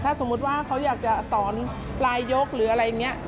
ถ้าสมมุติว่าเขาอยากจะสอนลายยกหรืออะไรอย่างนี้